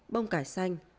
bông cải xanh